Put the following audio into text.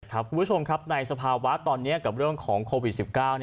คุณผู้ชมครับในสภาวะตอนนี้กับเรื่องของโควิด๑๙